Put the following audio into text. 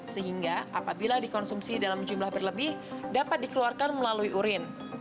sehingga apabila dikonsumsi dalam jumlah berlebih dapat dikeluarkan melalui urin